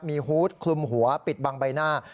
มีฮูตคลุมหัวปิดบังใบหน้า